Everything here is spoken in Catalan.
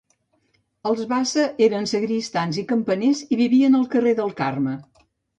Els Bassa eren sagristans i campaners i vivien al carrer del Carme.